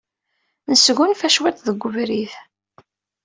Nesgunfa cwiṭ deg webrid.